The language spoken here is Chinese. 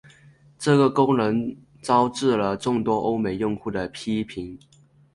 这个功能招致了众多欧美用户的批评。